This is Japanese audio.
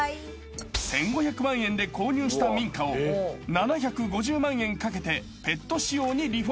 ［１，５００万円で購入した民家を７５０万円かけてペット仕様にリフォーム］